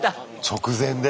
直前で？